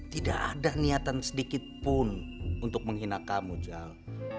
tidak ada niatan sedikitpun untuk menghina kamu jal